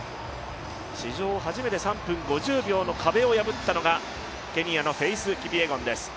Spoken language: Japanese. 史上初めて３分５０秒の壁を破ったのがケニアのキピエゴンです。